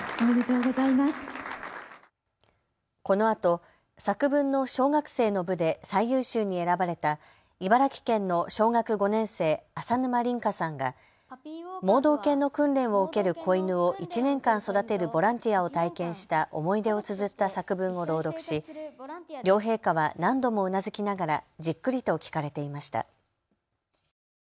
このあと作文の小学生の部で最優秀に選ばれた茨城県の小学５年生、浅沼稟佳さんが盲導犬の訓練を受ける子犬を１年間育てるボランティアを体験した思い出をつづった作文を朗読し両陛下は何度もうなずきながらじっくりと聴かれていました。